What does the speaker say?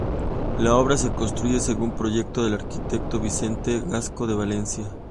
La obra se construye según proyecto del arquitecto Vicente Gascó de Valencia.